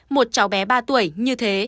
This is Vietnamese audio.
một cháu bé ba tuổi như thế